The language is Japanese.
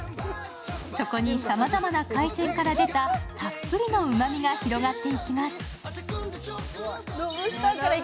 そこに様々な海鮮から出たたっぷりのうまみが広がっていきます。